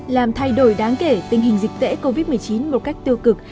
làm thay đổi đáng kể tình hình dịch tễ covid một mươi chín một cách tiêu cực